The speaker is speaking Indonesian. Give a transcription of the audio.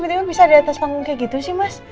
mas kok kamu bisa di atas panggung kayak gitu sih mas